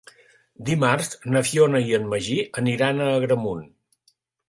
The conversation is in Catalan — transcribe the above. Dimarts na Fiona i en Magí aniran a Agramunt.